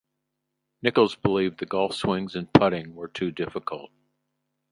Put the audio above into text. Nicholls believed the golf swings and putting were too difficult.